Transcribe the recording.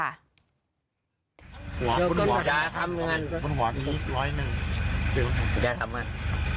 คุณหวัดคุณหวัดทีร้อยหนึ่งคุณหวัดทีร้อยหนึ่ง